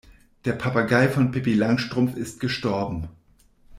Der Papagei von Pippi Langstrumpf ist gestorben.